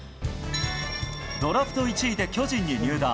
ドラフト１位で巨人に入団。